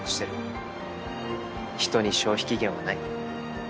人に消費期限はない。